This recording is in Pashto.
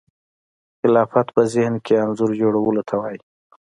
خلاقیت په ذهن کې انځور جوړولو ته وایي.